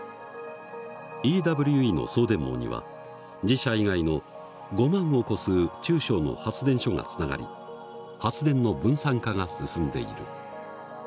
ＥＷＥの送電網には自社以外の５万を超す中小の発電所がつながり発電の分散化が進んでいる。